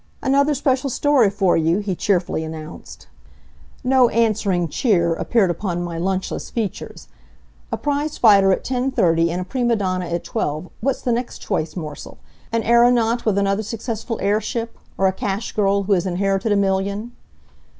"Another special story for you," he cheerfully announced. No answering cheer appeared upon my lunchless features. "A prize fighter at ten thirty, and a prima donna at twelve. What's the next choice morsel? An aeronaut with another successful airship? or a cash girl who has inherited a million?"